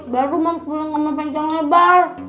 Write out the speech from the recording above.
baru mams bilang sama penjahat lebar